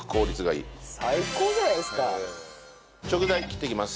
食材切っていきます。